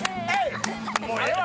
もうええわ。